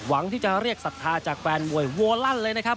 หวังที่จะเรียกศรัทธาจากแฟนมวยโวลั่นเลยนะครับ